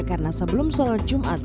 karena sebelum sholat jumat